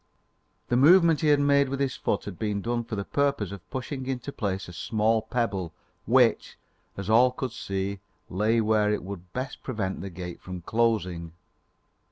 The movement he had made with his foot had been done for the purpose of pushing into place a small pebble, which, as all could see, lay where it would best prevent the gate from closing.